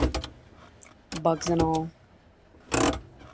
Bugs and all.